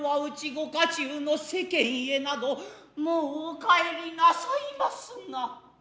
御家中の世間へなどもうお帰りなさいますな。